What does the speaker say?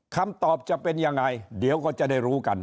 คำตอบจะเป็นยังไงเดี๋ยวก็จะได้รู้กัน